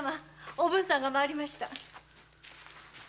おぶんさんが参りました。